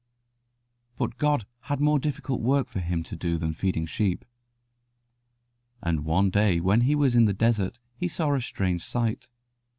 But God had more difficult work for him to do than feeding sheep, and one day when he was in the desert he saw a strange sight.